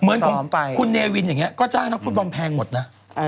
เหมือนของคุณเนวินอย่างนี้ก็จ้างนักฟุตบอลแพงหมดนะ